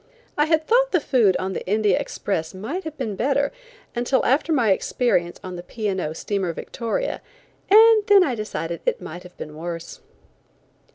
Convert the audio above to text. I had thought the food on the India Express might have been better until after my experience on the P. & O. steamer Victoria, and then I decided it might have been worse.